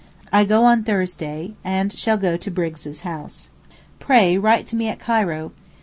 I go on Thursday and shall go to Briggs' house. Pray write to me at Cairo.